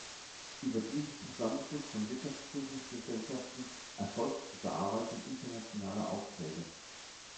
Über diesen Zusammenschluss von Wirtschaftsprüfungsgesellschaften erfolgt die Bearbeitung internationaler Aufträge.